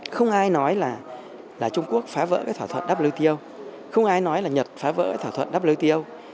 không ai nói là trung quốc phá vỡ thỏa thuận wto không ai nói là nhật phá vỡ thỏa thuận wto